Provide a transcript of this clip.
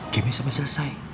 gamenya sampe selesai